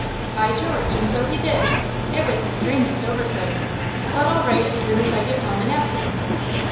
"By George! and so he did. It was the strangest oversight. But I'll write as soon as I get home and ask him."